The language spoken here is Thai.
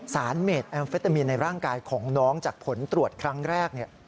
เมดแอมเฟตามีนในร่างกายของน้องจากผลตรวจครั้งแรก